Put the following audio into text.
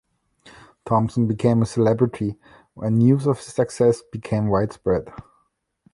Thompson became a celebrity when news of his success became widespread.